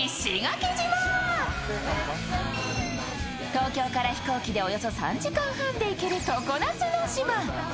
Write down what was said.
東京から飛行機でおよそ３時間半で行ける常夏の島。